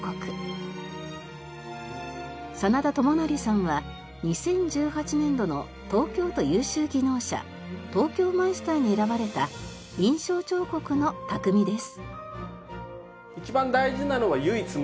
眞田智成さんは２０１８年度の東京都優秀技能者東京マイスターに選ばれた印章彫刻の匠です。